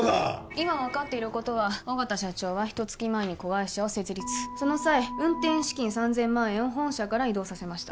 今分かってることは緒方社長はひと月前に子会社を設立その際運転資金３０００万円を本社から移動させました